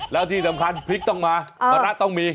แล้วที่สำคัญพริกต้องมามะระต้องมี